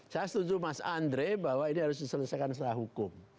saya setuju mas andre bahwa ini harus diselesaikan secara hukum